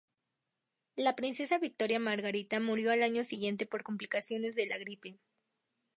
La Princesa Victoria Margarita murió al año siguiente por complicaciones de la gripe.